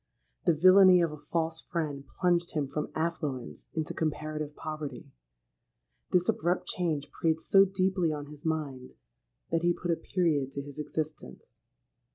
The villany of a false friend plunged him from affluence into comparative poverty. This abrupt change preyed so deeply on his mind, that he put a period to his existence.